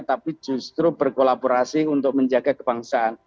tapi justru berkolaborasi untuk menjaga kebangsaan